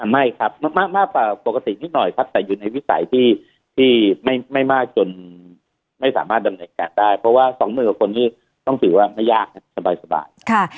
ไม่ครับมากกว่าปกตินิดหน่อยครับแต่อยู่ในวิสัยที่ไม่มากจนไม่สามารถดำเนินการได้เพราะว่า๒๐๐๐กว่าคนนี่ต้องถือว่าไม่ยากครับสบาย